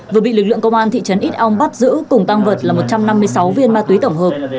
vừa bị lực lượng công an thị trấn ít ong bắt giữ cùng tăng vật là một trăm năm mươi sáu viên ma túy tổng hợp